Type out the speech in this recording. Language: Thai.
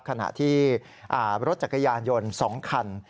ขณะที่รถจักรยานยนต์๒คัน